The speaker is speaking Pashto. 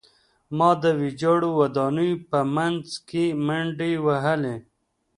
ما د ویجاړو ودانیو په منځ کې منډې وهلې